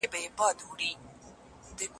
ولي مورنۍ ژبه د زده کړې چاپېريال دوستانه کوي؟